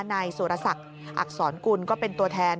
นายสุรศักดิ์อักษรกุลก็เป็นตัวแทน